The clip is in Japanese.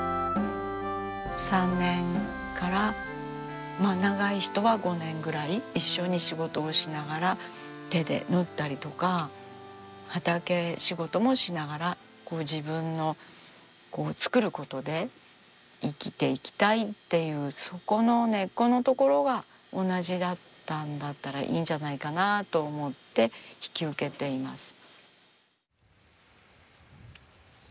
３年から長い人は５年ぐらい一緒に仕事をしながら手で縫ったりとか畑仕事もしながら自分の作ることで生きていきたいっていうそこの根っこのところが同じだったんだったらいいんじゃないかなと思って引き受けています。